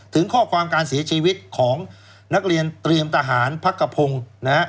ถึงข้อความการเสียชีวิตของนักเรียนเตรียมทหารพักกระพงศ์นะฮะ